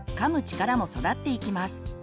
力も育っていきます。